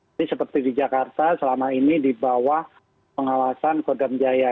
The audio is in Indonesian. jadi seperti di jakarta selama ini dibawah pengawasan kodam jaya